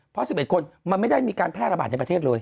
เพราะ๑๑คนมันไม่ได้มีการแพร่ระบาดในประเทศเลย